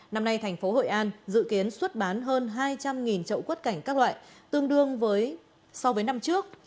năm nay thành phố hội an dự kiến xuất bán hơn hai trăm linh trậu quất cảnh các loại tương đương với so với năm trước